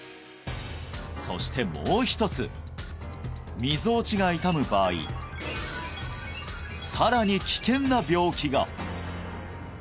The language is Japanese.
そしてもう一つみぞおちが痛む場合さらに危険な病気が！